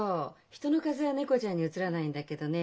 人の風邪は猫ちゃんにうつらないんだけどね